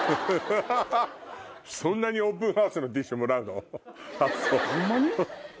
そんなにオープンハウスのティッシュもらうの？